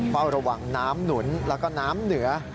เฝ้าระวังน้ำหนุนแล้วก็น้ำเหนือ